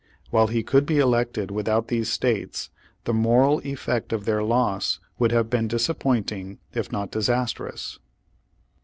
* While he could be elected without these states, the moral effect of their loss would have been dis appointing if not disastrous.